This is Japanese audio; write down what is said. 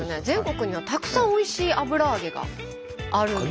全国にはたくさんおいしい油揚げがある。